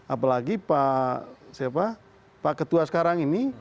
apalagi pak ketua sekarang ini